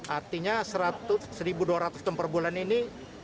artinya satu dua ratus ton per bulan ini